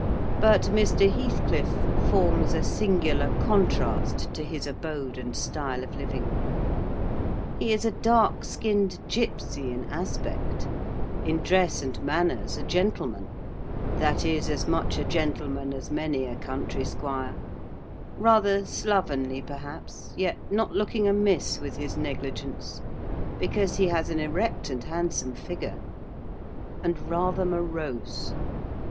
But Mr. Heathcliff forms a singular contrast to his abode and style of living. He is a dark skinned gipsy in aspect, in dress and manners a gentleman: that is, as much a gentleman as many a country squire: rather slovenly, perhaps, yet not looking amiss with his negligence, because he has an erect and handsome figure; and rather morose.